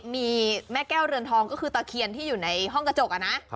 มีแม่แก้วเรือนทองก็คือตะเคียนที่อยู่ในห้องกระจกนะ